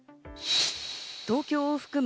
東京を含む